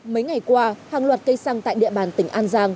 mấy ngày qua hàng loạt cây xăng tại địa bàn tỉnh an giang